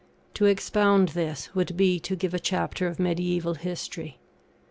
To expound this, would be to give a chapter of mediaeval history.